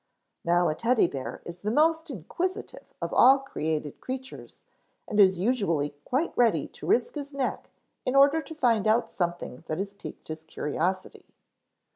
Now a Teddy bear is the most inquisitive of all created creatures and is usually quite ready to risk his neck in order to find out something that has piqued his curiosity.